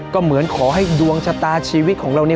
ก็เหมือนขอให้ดวงชะตาชีวิตของเราเนี่ย